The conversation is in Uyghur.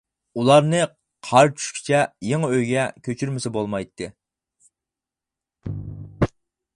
ئۇلارنى قار چۈشكىچە يېڭى ئۆيگە كۆچۈرمىسە بولمايتتى.